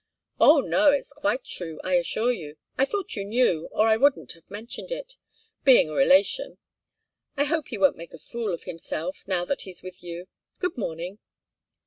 "Oh, no! It's quite true, I assure you. I thought you knew, or I wouldn't have mentioned it being a relation. I hope he won't make a fool of himself, now that he's with you. Good morning."